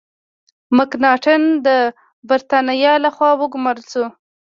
مکناټن د برتانیا له خوا وګمارل شو.